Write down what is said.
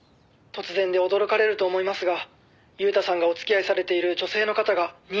「突然で驚かれると思いますが裕太さんがお付き合いされている女性の方が妊娠しまして」